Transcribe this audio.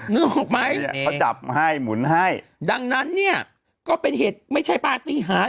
นึกออกไหมเนี่ยเขาจับให้หมุนให้ดังนั้นเนี่ยก็เป็นเหตุไม่ใช่ปฏิหาร